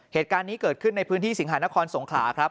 เหตุการณ์นี้เกิดขึ้นในพื้นที่สิงหานครสงขลาครับ